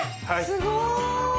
すごーい！